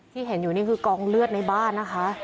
ที่เห็นอยู่นี่คือกองเลือดในบ้านนะคะ